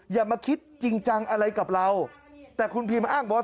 อย่ามาคิดจริงจังอะไรกับเราแต่คุณพิมอ้างว่า